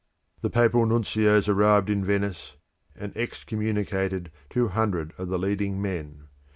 The Papal nuncios arrived in Venice, and excommunicated two hundred of the leading men.